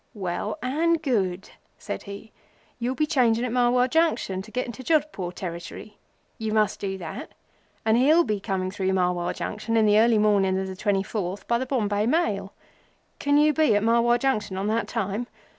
"Well and good," said he. "You'll be changing at Marwar Junction to get into Jodhpore territory—you must do that—and he'll be coming through Marwar Junction in the early morning of the 24th by the Bombay Mail. Can you be at Marwar Junction on that time?